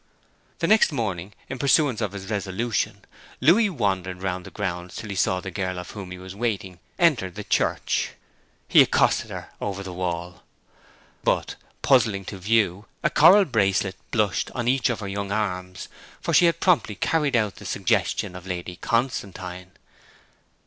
The next morning, in pursuance of his resolution, Louis wandered round the grounds till he saw the girl for whom he was waiting enter the church. He accosted her over the wall. But, puzzling to view, a coral bracelet blushed on each of her young arms, for she had promptly carried out the suggestion of Lady Constantine.